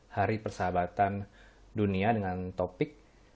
hari persahabatan dunia dengan topik